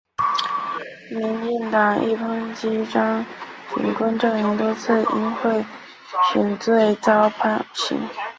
民进党亦抨击张锦昆阵营多次因贿选罪遭判刑。